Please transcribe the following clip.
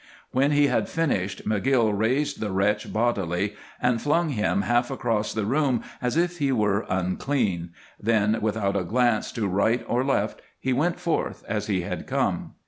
When he had finished, McGill raised the wretch bodily and flung him half across the room as if he were unclean, then, without a glance to right or left, he went forth as he had come.